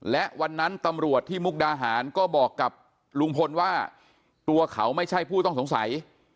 และวันนั้นตำรวจที่มุกดาหารก็บอกกับลุงพลว่าตัวเขาไม่ใช่ผู้ต้องสงสัย